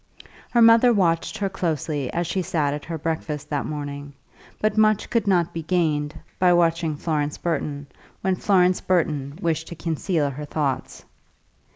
Her mother watched her closely as she sat at her breakfast that morning, but much could not be gained by watching Florence Burton when Florence wished to conceal her thoughts.